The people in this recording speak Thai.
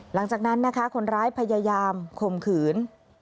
หลังจากนั้นนะคะคนร้ายพยายามข่มขืน